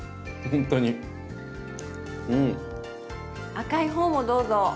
赤い方もどうぞ！